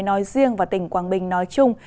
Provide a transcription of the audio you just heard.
nói riêng và tỉnh quang bình nói chung